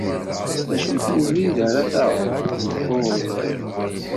D acu n webrid ara taɣeḍ? Ur ẓriɣ.